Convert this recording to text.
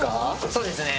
そうですね。